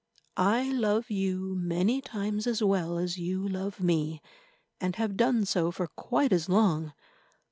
I love you many times as well as you love me, and have done so for quite as long.